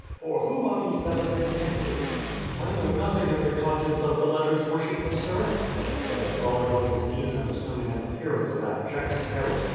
For whom are these letters intended?" "I know nothing of the contents of the letters, worshipful sir," Ned said, falling on his knees and assuming an appearance of abject terror.